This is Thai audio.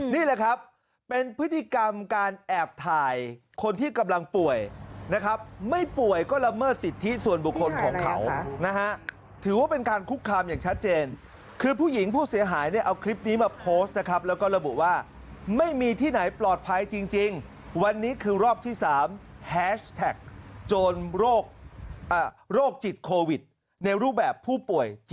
นี่แหละครับเป็นพฤติกรรมการแอบถ่ายคนที่กำลังป่วยนะครับไม่ป่วยก็ละเมิดสิทธิส่วนบุคคลของเขานะฮะถือว่าเป็นการคุกคามอย่างชัดเจนคือผู้หญิงผู้เสียหายเนี่ยเอาคลิปนี้มาโพสต์นะครับแล้วก็ระบุว่าไม่มีที่ไหนปลอดภัยจริงวันนี้คือรอบที่๓แฮชแท็กโจรโรคจิตโควิดในรูปแบบผู้ป่วย